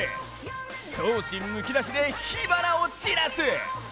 闘志むき出しで火花を散らす！